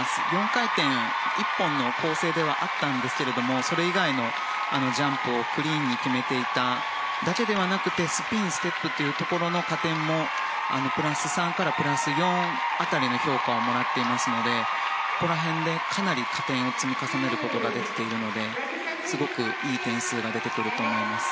４回転１本の構成ではあったんですけれどもそれ以外のジャンプをクリーンに決めていただけではなくてスピン、ステップというところの加点もプラス３からプラス４辺りの評価をもらっていますのでここら辺でかなり加点を積み重ねることができているのですごくいい点数が出てくると思います。